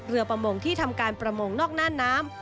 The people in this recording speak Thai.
ประมงที่ทำการประมงนอกหน้าน้ำ